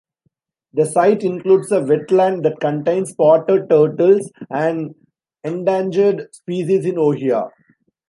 The site includes a wetland that contains spotted turtles, an endangered species in Ohio.